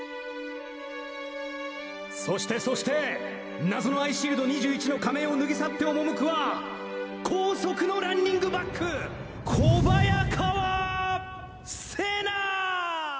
「そしてそして謎のアイシールド２１の仮面を脱ぎ去って赴くは高速のランニングバック小早川瀬那！」